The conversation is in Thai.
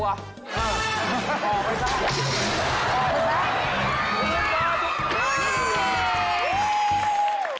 ขอไหมสาม